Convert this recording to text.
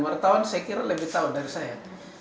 mereka tahu saya kira lebih tahu dari saya